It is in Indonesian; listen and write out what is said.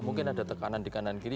mungkin ada tekanan di kanan kiri